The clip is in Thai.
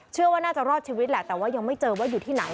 เชื่อว่าน่าจะรอดชีวิตแหละแต่ว่ายังไม่เจอว่าอยู่ที่ไหน